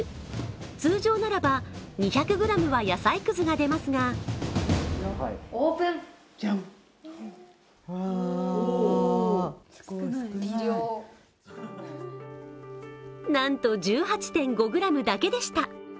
通常ならば、２００ｇは野菜くずが出ますがなんと１８．５ｇだけでした。